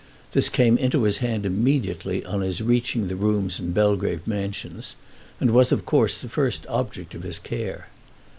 This came into his hand immediately on his reaching the rooms in Belgrave Mansions, and was of course the first object of his care.